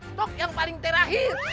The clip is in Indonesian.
stok yang paling terakhir